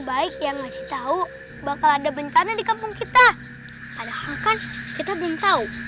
baik yang ngasih tahu bakal ada bencana di kampung kita padahal kan kita belum tahu